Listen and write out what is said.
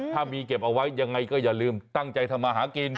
ถ้ามีเก็บเอาไว้ยังไงก็อย่าลืมตั้งใจทำมาหากิน